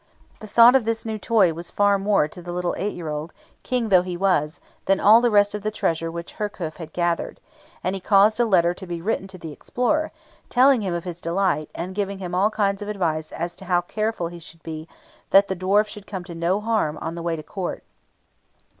The thought of this new toy was far more to the little eight year old, King though he was, than all the rest of the treasure which Herkhuf had gathered; and he caused a letter to be written to the explorer, telling him of his delight, and giving him all kinds of advice as to how careful he should be that the dwarf should come to no harm on the way to Court.